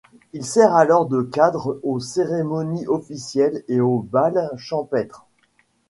Il sert alors de cadre aux cérémonies officielles et aux bals champêtres.